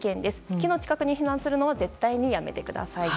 木の近くに避難するのは絶対にやめてください。